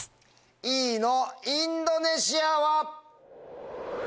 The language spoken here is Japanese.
Ｅの「インドネシア」は。